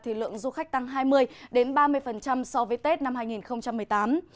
thì lượng du khách tăng hai mươi ba mươi so với tết năm hai nghìn một mươi tám